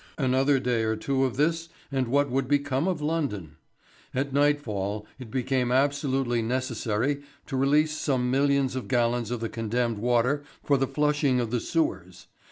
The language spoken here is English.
Another day or two of this and what would become of London? At nightfall it became absolutely necessary to release some millions of gallons of the condemned water for the flushing of the sewers.